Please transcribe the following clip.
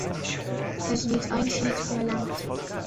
Es wird Eintritt verlangt.